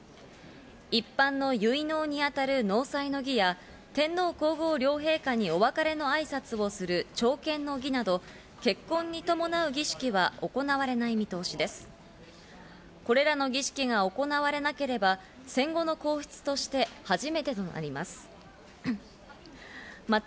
一般の結納に当たる納采の儀や、天皇皇后両陛下にお別れの挨拶をする朝見の儀など、結婚に伴う儀式は行われない見通しです。